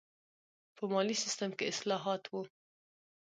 په مالي سیستم کې اصلاحات و.